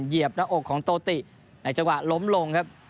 เหยียบหน้าอกของโตติในจังหวะล้มลงครับ